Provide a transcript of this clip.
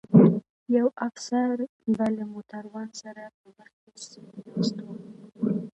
یو افسر به له موټروان سره په مخکي سیټ ناست و.